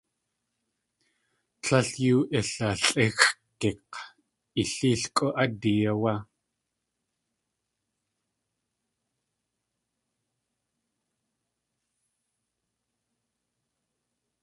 Líl yoo ilalʼíxʼgik̲ - i léelkʼu ádi áwé.